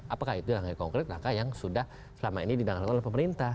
apakah itu langkah yang konkret langkah yang sudah selama ini didatangkan oleh pemerintah